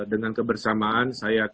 dengan kebersamaan kita percayalah ya allah